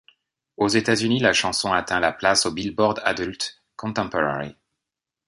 Aux États-Unis, la chanson atteint la place au Billboard Adult Contemporary.